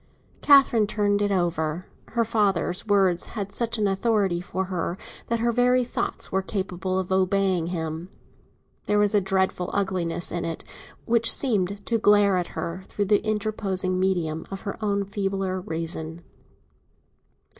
Catherine turned it over—her father's words had such an authority for her that her very thoughts were capable of obeying him. There was a dreadful ugliness in it, which seemed to glare at her through the interposing medium of her own feebler reason.